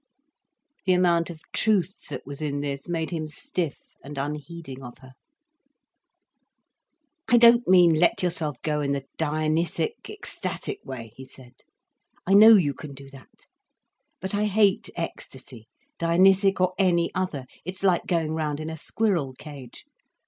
The amount of truth that was in this made him stiff and unheeding of her. "I don't mean let yourself go in the Dionysic ecstatic way," he said. "I know you can do that. But I hate ecstasy, Dionysic or any other. It's like going round in a squirrel cage.